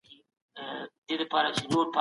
موږ باید په خپله برخه کي پوره مهارت ولرو.